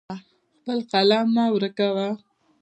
خپل قلم مه ورکوه.